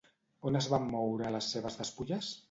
On es van moure les seves despulles?